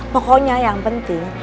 pokoknya yang penting